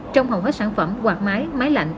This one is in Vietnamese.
trong hầu hết sản phẩm quạt máy máy lạnh